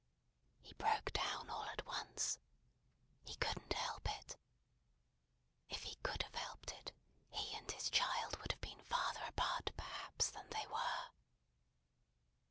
He broke down all at once. He couldn't help it. If he could have helped it, he and his child would have been farther apart perhaps than they were.